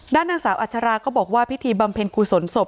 ด้านนางสาวอัชราก็บอกว่าพิธีบำเพ็ญกุศลศพ